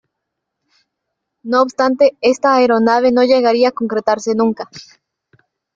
No obstante esta aeronave no llegaría a concretarse nunca..